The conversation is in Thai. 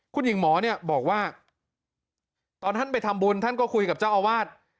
คุณหญิงหมอเนี่ยบอกว่าตอนท่านไปทำบุญท่านก็คุยกับเจ้าอาวาส